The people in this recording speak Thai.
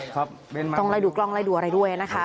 ข้างไหล่ดูอะไรด้วยนะครับ